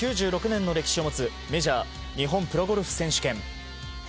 ９６年の歴史を持つメジャー日本プロゴルフ選手権。